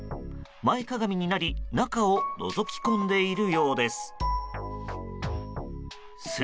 前かがみになり中をのぞき込んでいるようです。